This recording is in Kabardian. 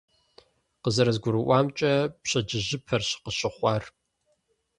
КъызэрызгурыӀуамкӀэ, пщэдджыжьыпэрщ къыщыхъуар.